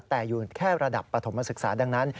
แต่อยู่แค่ระดับปฐมศึกษา